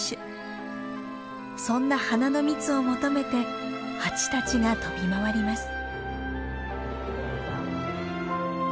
そんな花の蜜を求めてハチたちが飛び回ります。